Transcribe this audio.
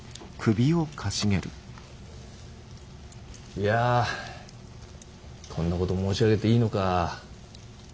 いやこんなこと申し上げていいのか。